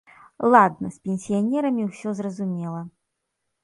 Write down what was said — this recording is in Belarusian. Ладна, з пенсіянерамі ўсё зразумела!